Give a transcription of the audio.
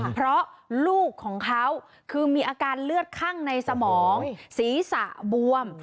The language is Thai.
เพราะลูกของเขาคือมีอาการเลือดคั่งในสมองศีรษะบวม